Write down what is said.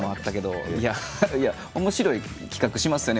おもしろい企画しますよね。